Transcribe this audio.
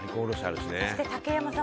そして竹山さん